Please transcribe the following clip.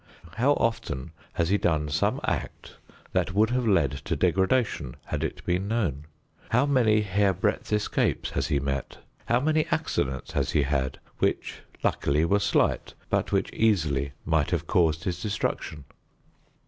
How often has he done some act that would have led to degradation had it been known? How many hair breadth escapes has he met? How many accidents has he had which luckily were slight but which easily might have caused his destruction?